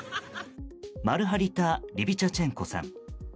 マルハリタ・リビチャチェンコさん。